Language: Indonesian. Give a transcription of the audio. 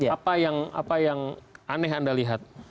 apa yang aneh anda lihat